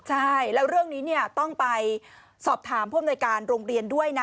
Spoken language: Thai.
ใช่แล้วเรื่องนี้ต้องไปสอบถามผู้อำนวยการโรงเรียนด้วยนะ